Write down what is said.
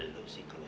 lu sih keluar